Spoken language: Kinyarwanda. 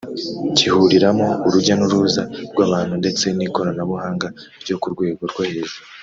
gihuriramo urujya n’uruza rw’abantu ndetse n’ikoranabuhanga ryo ku rwego rwo hejuru